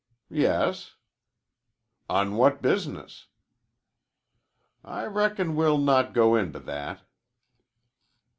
"Yes." "On what business?" "I reckon we'll not go into that."